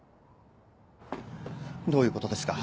どういうことですか？